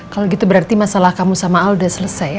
kalo gitu berarti masalah kamu sama al udah selesai ya